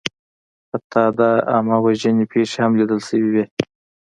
حتی د عامهوژنې پېښې هم لیدل شوې دي.